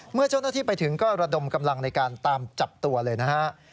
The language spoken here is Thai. เมื่อเจ้าหน้าที่ไปถึงก็ระดมกำลังในการตามจับตัวเลยนะฮะ